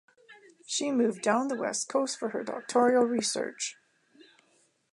She moved down the West Coast for her doctoral research.